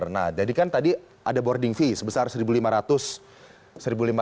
nah jadi kan tadi ada boarding fee sebesar satu lima ratus